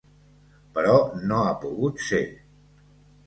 Però no ha pogut ser.